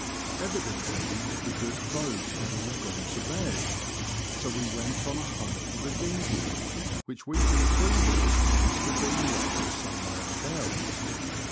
Evidently the good folk had all gone to bed ; so we went on a hunt for the dinghey, which we con cluded must have been left somewhere about.